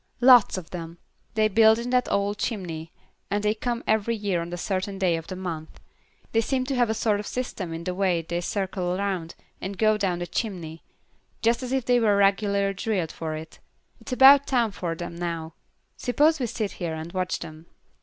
"Lots of them. They build in that old chimney, and they come every year on a certain day of the month. They seem to have a sort of system in the way they circle around, and go down the chimney; just as if they were regularly drilled for it. It's about time for them now. Suppose we sit here and watch them."